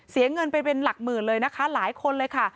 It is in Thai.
เสียเงินไปเป็นหลักหมื่นเลยนะคะหลายคนเลยค่ะ